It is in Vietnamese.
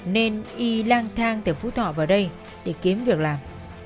nên y lang thang từ phú thọ vào đây để kiếm việc làm